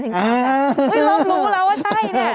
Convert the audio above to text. อืมอึ๊ยเริ่มรู้แล้วว่าใช่น่ะ